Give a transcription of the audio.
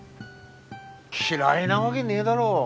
嫌いなわげねえだろ。